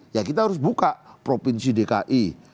ya kita harus buka provinsi dki